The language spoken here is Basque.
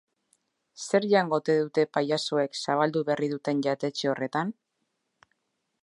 Zer jango ote dute pailazoek zabaldu berri duten jatetxe horretan?